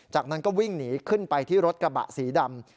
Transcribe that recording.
จากนั้นก็วิ่งหนีขึ้นไปที่รถกระบะสีดำ